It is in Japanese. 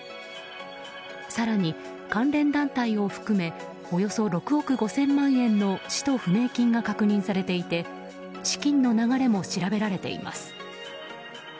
更に関連団体を含めおよそ６億５０００万円の使途不明金が確認されていて資金の流れも調べられています。